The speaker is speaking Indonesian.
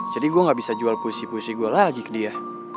jadi gue nggak bisa jual puisi puisi gue lagi ke dia